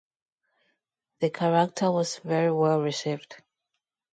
The character was very well received.